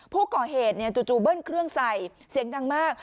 ผู้ก่อเหตุจู่เบิ้ลเครื่องใส่เสียงดังมาก